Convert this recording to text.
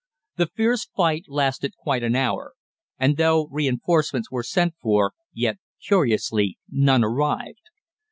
"The fierce fight lasted quite an hour; and though reinforcements were sent for, yet curiously none arrived.